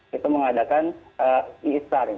kita mengadakan iistar